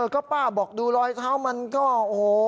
ก็ป้าบอกดูรอยเท้ามันก็โอ้โห